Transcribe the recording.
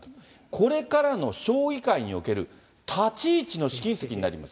これからの将棋界における立ち位置の試金石になります。